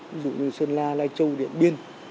ví dụ như sơn la lai châu điện biên